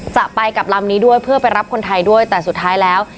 จะไปกับลำนี้ด้วยเพื่อไปรับคนไทยด้วยแต่สุดท้ายแล้ว